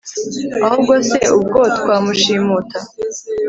ahubwo se ubwo twamushimuta